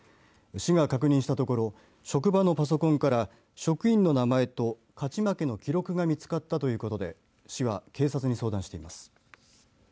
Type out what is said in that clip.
市が確認したところ職場のパソコンから職員の名前と勝ち負けの記録が見つかったということで市は警察に相談しています。